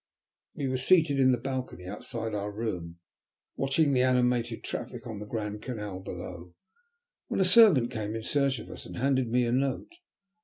We were seated in the balcony outside our room, watching the animated traffic on the Grand Canal below, when a servant came in search of us and handed me a note.